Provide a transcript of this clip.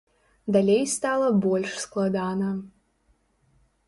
Далей стала больш складана.